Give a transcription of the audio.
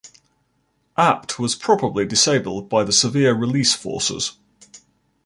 Apt was probably disabled by the severe release forces.